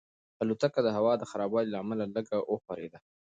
الوتکه د هوا د خرابوالي له امله لږه وښورېده.